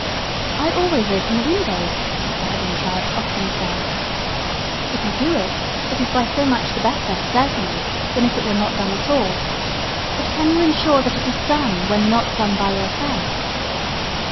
"I always open the windows," the head in charge often says. If you do it, it is by so much the better, certainly, than if it were not done at all. But can you not insure that it is done when not done by yourself?